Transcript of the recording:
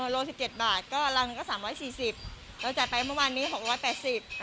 โล๑๗บาทก็รังก็๓๔๐บาทแล้วจัดไปประมาณนี้๖๘๐บาท